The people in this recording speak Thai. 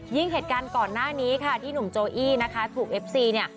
เหตุการณ์ก่อนหน้านี้ค่ะที่หนุ่มโจอี้นะคะถูกเอฟซีเนี่ย